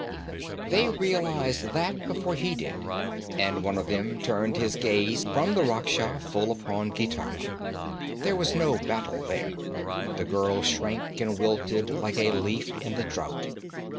They realized that before he did. And one of them turned his gaze from the Rakhsha full upon Gitara. There was no battle there. The girl shrank and wilted like a leaf in the drought.